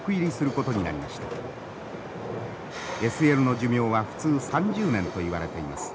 ＳＬの寿命は普通３０年といわれています。